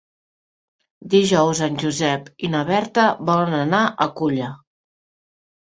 Dijous en Josep i na Berta volen anar a Culla.